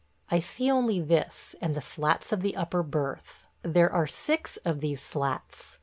I see only this and the slats of the upper berth. There are six of these slats.